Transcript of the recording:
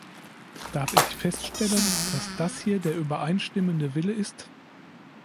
Darf ich feststellen, dass das hier der übereinstimmende Wille ist?